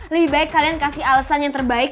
lebih baik kalian kasih alasan yang terbaik